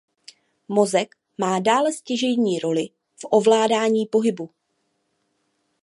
Mozek má dále stěžejní roli v ovládání pohybu.